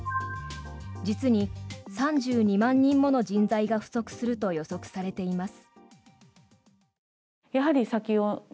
実に３２万人もの人材が不足すると予測されています。